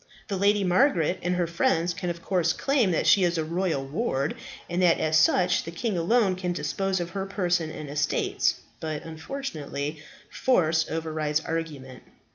The Lady Margaret and her friends can of course claim that she is a royal ward, and that as such the king alone can dispose of her person and estates. But, unfortunately, force overrides argument."